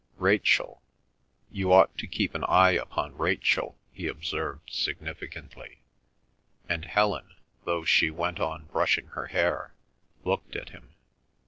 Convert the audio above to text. "Rachel—you ought to keep an eye upon Rachel," he observed significantly, and Helen, though she went on brushing her hair, looked at him.